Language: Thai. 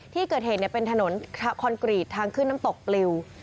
ที่เกิดเหตุเป็นถนนคอนกรีตทางขึ้นน้ำตกปลิว